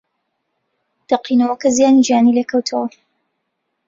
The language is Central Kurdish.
تەقینەوەکە زیانی گیانی لێکەوتەوە